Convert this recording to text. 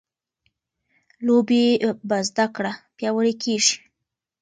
لوبې به زده کړه پیاوړې کړي.